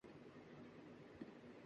میں فواد خان کے ساتھ بہترین نظر اتی ہوں